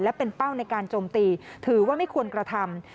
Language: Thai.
และเป็นเป้าในการโจมตีถือว่าไม่ควรกระทำ